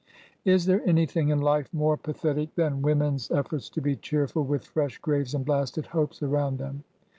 Is there anything in life more pathetic than women's ef forts to be cheerful with fresh graves and blasted hopes around them?